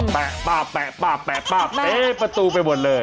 แปะป้าแปะประตูไปหมดเลย